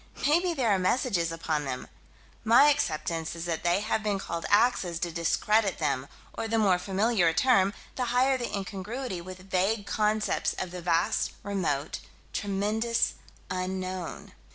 Maybe there are messages upon them. My acceptance is that they have been called "axes" to discredit them: or the more familiar a term, the higher the incongruity with vague concepts of the vast, remote, tremendous, unknown.